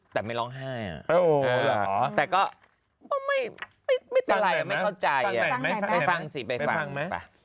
แต่ไม่ร้องไห้อะแต่ก็ไม่ไม่ตลายไม่เข้าใจไปฟังสิไปฟังไปฟังไหนไปฟัง